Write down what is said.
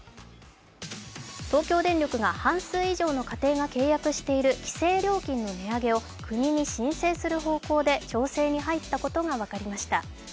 東京電力が半数以上の家庭が契約している規制料金の値上げを国に申請する方向で調整に入ったことが分かりました。